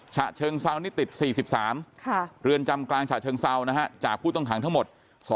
ฉะเชิงเซานี่ติด๔๓เรือนจำกลางฉะเชิงเซานะฮะจากผู้ต้องขังทั้งหมด